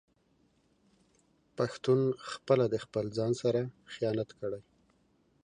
پښتون خپله د خپل ځان سره خيانت کړي